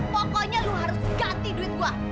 pokoknya lo harus ganti duit gua